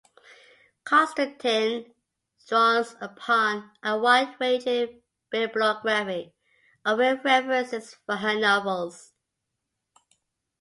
Constantine draws upon a wide-ranging bibliography of references for her novels.